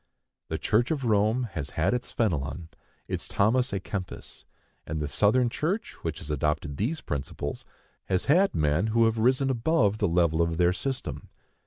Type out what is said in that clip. The Church of Rome has had its Fenelon, its Thomas â Kempis; and the Southern Church, which has adopted these principles, has had men who have risen above the level of their system.